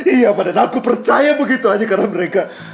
iya ma dan aku percaya begitu aja karena mereka